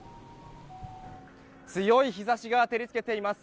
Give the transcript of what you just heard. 強い日差しが照り付けています。